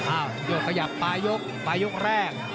อ้าวโดยขยับปลายกปลายกแรก